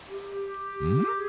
うん？